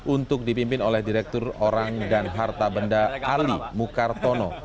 untuk dipimpin oleh direktur orang dan harta benda ali mukartono